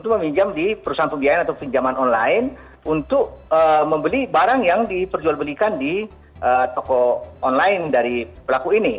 meminjam di perusahaan pembiayaan atau pinjaman online untuk membeli barang yang diperjualbelikan di toko online dari pelaku ini